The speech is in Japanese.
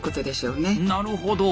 なるほど。